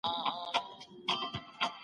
تاسي باید پښتو ژبه په سمه توګه زده کړاست